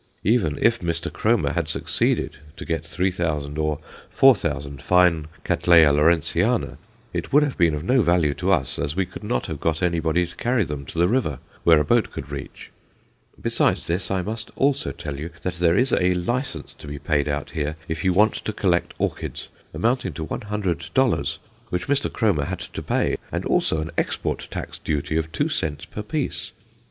Even if Mr. Kromer had succeeded to get 3000 or 4000 fine Cattleya Lawrenceana, it would have been of no value to us, as we could not have got anybody to carry them to the river where a boat could reach. Besides this, I also must tell you that there is a license to be paid out here if you want to collect orchids, amounting to $100, which Mr. Kromer had to pay, and also an export tax duty of 2 cents per piece.